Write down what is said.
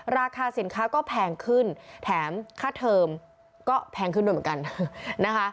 ราคาสินค้าก็แพงขึ้นแถมค่าเทอมก็แพงขึ้นด้วยเหมือนกันนะคะ